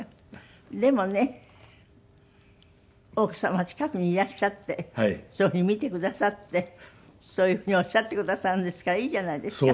でもね奥様が近くにいらっしゃってそういうふうに見てくださってそういうふうにおっしゃってくださるんですからいいじゃないですか。